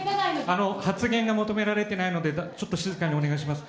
発言が求められていないので、ちょっと静かにお願いします。